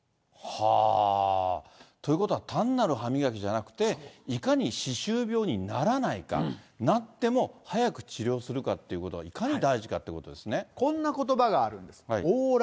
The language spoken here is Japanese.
はぁー。ということは単なる歯磨きじゃなくて、いかに歯周病にならないか、なっても早く治療するかっていうことが、いかに大事かっていうここんなことばがあるんです。